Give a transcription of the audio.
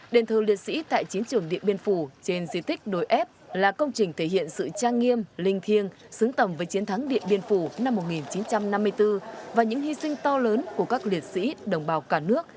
đền thờ liệt sĩ tại chiến trường điện biên phủ trên di tích đối ép là công trình thể hiện sự trang nghiêm linh thiêng xứng tầm với chiến thắng điện biên phủ năm một nghìn chín trăm năm mươi bốn và những hy sinh to lớn của các liệt sĩ đồng bào cả nước